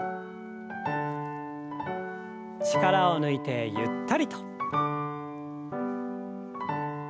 力を抜いてゆったりと。